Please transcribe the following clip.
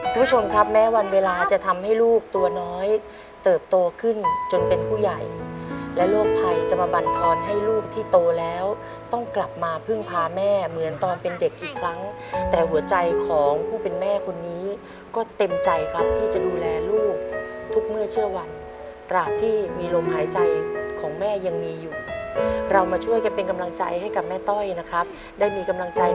คุณผู้ชมครับแม้วันเวลาจะทำให้ลูกตัวน้อยเติบโตขึ้นจนเป็นผู้ใหญ่และโรคภัยจะมาบรรทอนให้ลูกที่โตแล้วต้องกลับมาพึ่งพาแม่เหมือนตอนเป็นเด็กอีกครั้งแต่หัวใจของผู้เป็นแม่คนนี้ก็เต็มใจครับที่จะดูแลลูกทุกเมื่อเชื่อวันตราบที่มีลมหายใจของแม่ยังมีอยู่เรามาช่วยกันเป็นกำลังใจให้กับแม่ต้อยนะครับได้มีกำลังใจ